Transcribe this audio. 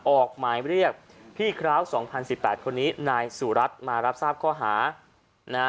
ออกหมายเรียกพี่คร้าว๒๐๑๘คนนี้นายสุรัตน์มารับทราบข้อหานะฮะ